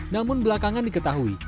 namun belakangan diketahui